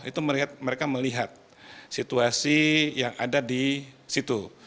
itu mereka melihat situasi yang ada di situ